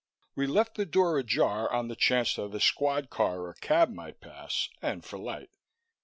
We left the door ajar, on the chance that a squad car or cab might pass, and for light.